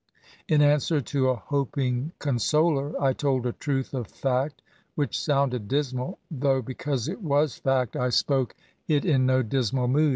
In answer to a hoping consoler, I told a truth of &ct which sounded dismal, though because it was fact I spoke SYMPATHY TO THE INVALID. 17 it in no dismal mood.